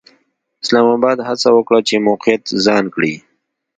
اسلام اباد هڅه وکړه چې موقعیت ځان کړي.